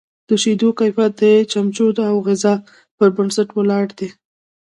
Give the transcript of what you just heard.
د شیدو کیفیت د چمچو او غذا پر بنسټ ولاړ دی.